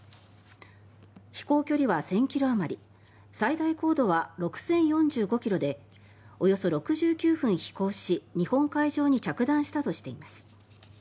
飛行距離は１０００ｋｍあまり最大高度は６０４５ｋｍでおよそ６９分飛行し日本海上に着弾したとしています。